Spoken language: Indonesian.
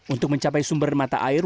untuk mencapai sumber mata air